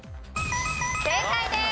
正解です。